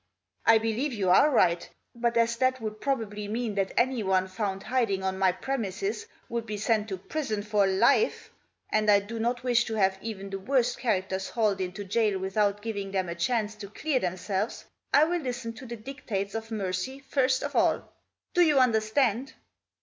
"I believe you are right. But as that would probably mean that anyone found hiding oft my premises would be sent to prison for life ; and I do rtbt wish to have even the Worst characters hauled Itito jail Without giving them a chance to Clear themselves, I will listen to the dictates of ntercy first of all. Do you understand